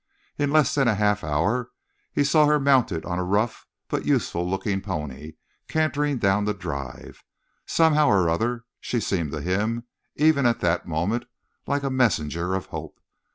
In less than half an hour, he saw her mounted on a rough but useful looking pony, cantering down the drive. Somehow or other, she seemed to him, even at that moment, like a messenger of hope.